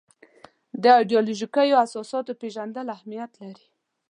د ایدیالوژیکو اساساتو پېژندل اهمیت لري.